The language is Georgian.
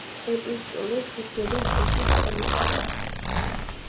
ეპისტოლე შედგება ხუთი თავისაგან.